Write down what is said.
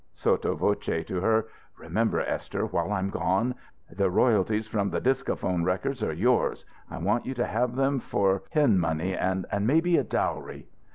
Sotto voce to her: "Remember, Esther, while I'm gone, the royalties from the Discaphone records are yours. I want you to have them for pin money and maybe a dowry?"